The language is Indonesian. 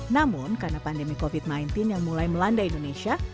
namun karena pandemi covid sembilan belas yang mulai melanda indonesia